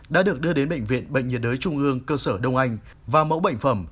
đã được đưa đến bệnh viện bệnh nhiệt đới trung ương cơ sở đông anh và mẫu bệnh phẩm